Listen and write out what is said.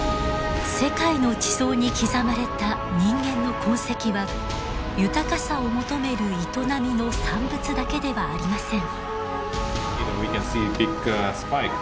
世界の地層に刻まれた人間の痕跡は豊かさを求める営みの産物だけではありません。